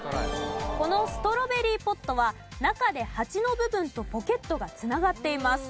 このストロベリーポットは中で鉢の部分とポケットが繋がっています。